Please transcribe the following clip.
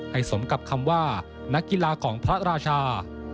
สมกับคำว่านักกีฬาของพระราชา